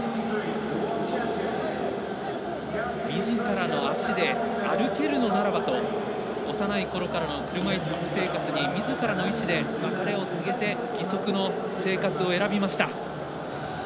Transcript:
みずからの足で歩けるのならばと幼いころからの車いす生活にみずからの意思で別れを告げて義足の生活を選びました。